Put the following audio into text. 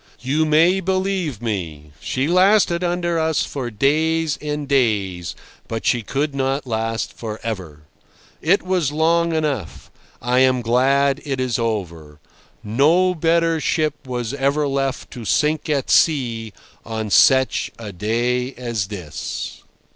You may believe me. She lasted under us for days and days, but she could not last for ever. It was long enough. I am glad it is over. No better ship was ever left to sink at sea on such a day as this."